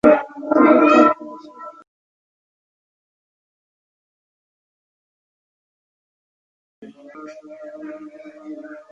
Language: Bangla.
তবে কাল পুলিশের বিশেষ শাখার দুই কর্মকর্তা তাঁর সঙ্গে কথা বলেছেন।